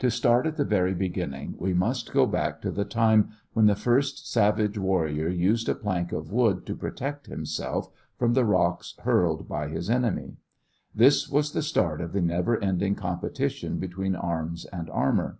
To start at the very beginning, we must go back to the time when the first savage warrior used a plank of wood to protect himself from the rocks hurled by his enemy. This was the start of the never ending competition between arms and armor.